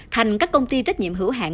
thành các công ty trách nhiệm hữu hạn